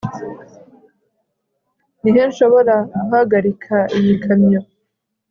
Ni he nshobora guhagarika iyi kamyo